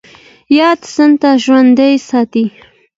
ياد سنت ژوندی ساتي